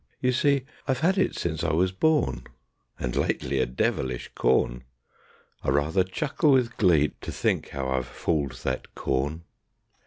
You see I've had it since I was born; And lately a devilish corn. (I rather chuckle with glee To think how I've fooled that corn.)